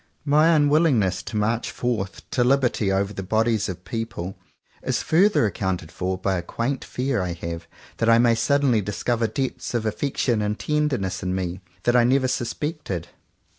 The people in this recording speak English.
My unwillingness to march forth to liberty over the bodies of people, is further accounted for by a quaint fear I have that I may suddenly discover depths of affection and tenderness in me that I never sus pected.